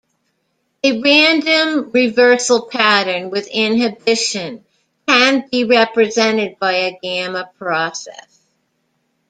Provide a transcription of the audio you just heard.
A random reversal pattern with inhibition can be represented by a gamma process.